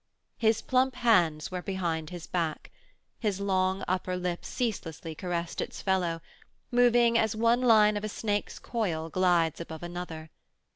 His plump hands were behind his back, his long upper lip ceaselessly caressed its fellow, moving as one line of a snake's coil glides above another.